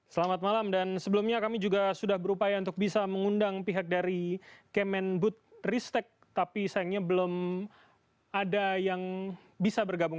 selamat malam dan sebelumnya kami juga sudah berupaya untuk bisa mengundang pihak dari kemenbut ristek tapi sayangnya belum ada yang bisa bergabung